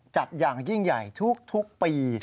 อย่างยิ่งใหญ่ทุกปี